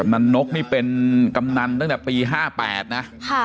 ันนกนี่เป็นกำนันตั้งแต่ปี๕๘นะ